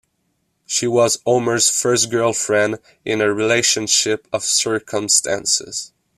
She was Homer's first girlfriend in a relationship of circumstances.